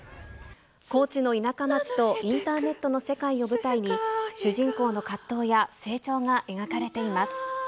高知の田舎町とインターネットの世界を舞台に、主人公の葛藤や成長が描かれています。